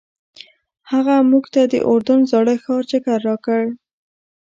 هغه موږ ته د اردن زاړه ښار چکر راکړ.